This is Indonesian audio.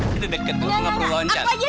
tidak tidak tidak aku aja